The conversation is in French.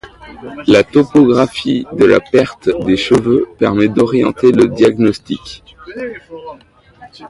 La topographie de la perte des cheveux permet d'orienter le diagnostic.